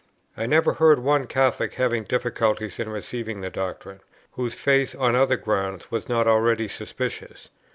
I never heard of one Catholic having difficulties in receiving the doctrine, whose faith on other grounds was not already suspicious.